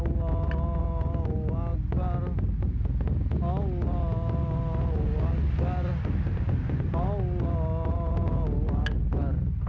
beberapa hari lagi